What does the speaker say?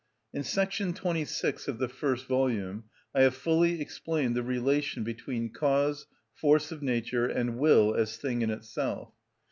In § 26 of the first volume I have fully explained the relation between cause, force of nature, and will as thing in itself.